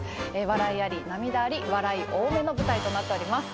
笑いあり涙あり笑い多めの舞台となっております。